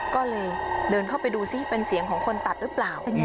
ก็เลยเดินเข้าไปดูซิเป็นเสียงของคนตัดหรือเปล่า